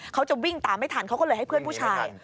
เขาจะวิ่งตามไม่ทันเขาก็เลยให้เพื่อนผู้ชาย